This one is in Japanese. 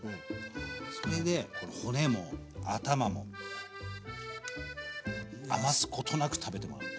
それで骨も頭も余すことなく食べてもらう。